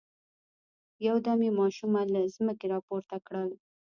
يودم يې ماشومه له ځمکې را پورته کړل.